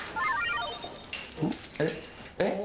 えっえっ？